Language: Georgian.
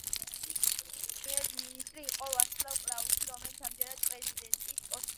ჩეხეთის პირველი პრემიერ მინისტრი იყო ვასლავ კლაუსი, რომელიც ამჯერად პრეზიდენტის პოსტზეა.